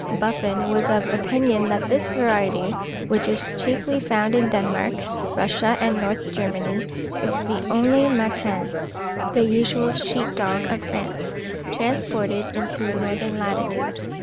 Buffon was of opinion that this variety, which is chiefly found in Denmark, Russia, and Northern Germany, is only the Mâtin (the usual sheep dog of France) transported into a northern latitude.